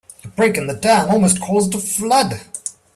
A break in the dam almost caused a flood.